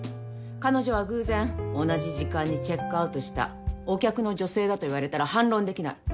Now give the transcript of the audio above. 彼女は偶然同じ時間にチェックアウトしたお客の女性だと言われたら反論できない。